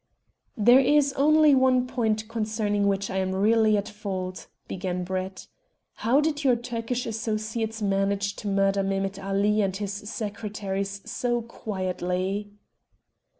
"There is only one point concerning which I am really at fault," began Brett. "How did your Turkish associates manage to murder Mehemet Ali and his secretaries so quietly?"